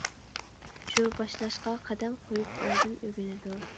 شۇ باشلاشقا قەدەم قويۇپ ئاندىن ئۆگىنىدۇ.